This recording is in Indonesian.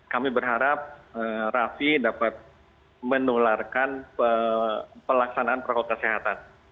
kami berharap raffi dapat menularkan pelaksanaan protokol kesehatan